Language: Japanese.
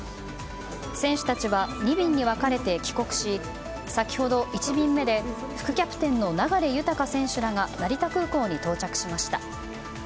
選手たちは２便に分かれて帰国し先ほど１便目で副キャプテンの流大選手らが成田空港に到着しました。